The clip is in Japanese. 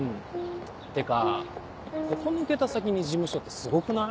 てかここ抜けた先に事務所ってすごくない？